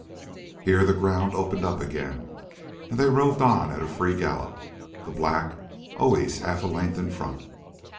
Here the ground opened up again, and they roved on at a free gallop, the black always half a length in front.